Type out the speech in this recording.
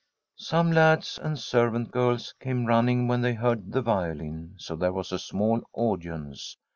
Some lads and servant girls came running when they heard the violin, so there was a small audience.